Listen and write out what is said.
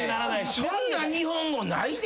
そんな日本語ないで！